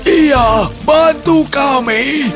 iya bantu kami